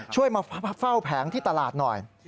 ช่วยมาเฝ้าแผงที่ตลาดหน่อย